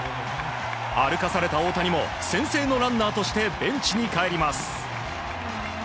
歩かされた大谷も先制のランナーとしてベンチに帰ります。